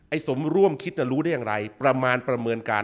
สมร่วมคิดจะรู้ได้อย่างไรประมาณประเมินการ